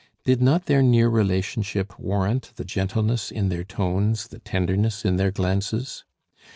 Did not their near relationship warrant the gentleness in their tones, the tenderness in their glances?